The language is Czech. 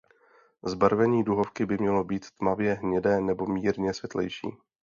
Zbarvení duhovky by mělo být tmavě hnědé nebo mírně světlejší.